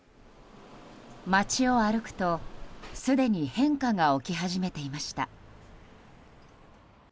街を歩くと、すでに変化が起き始めていました。